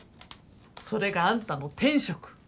それがあんたの天職。